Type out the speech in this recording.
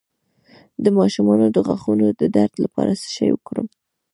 د ماشوم د غاښونو د درد لپاره څه شی ورکړم؟